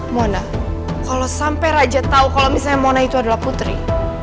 mona kalau sampai raja tahu kalau misalnya mona itu adalah putri